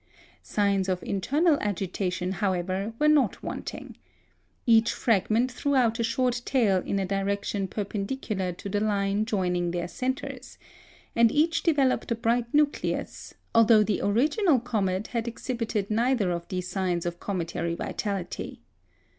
Signs of internal agitation, however, were not wanting. Each fragment threw out a short tail in a direction perpendicular to the line joining their centres, and each developed a bright nucleus, although the original comet had exhibited neither of these signs of cometary vitality.